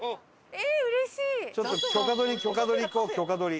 ちょっと許可取り許可取り行こう許可取り。